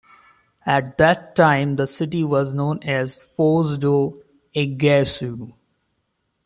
At that time, the city was known as Foz do Iguassu.